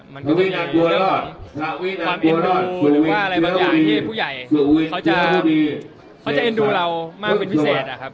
มันก็จะมีความเอ็นดูหรือว่าอะไรบางอย่างที่ผู้ใหญ่เขาจะเขาจะเอ็นดูเรามากเป็นพิเศษอะครับ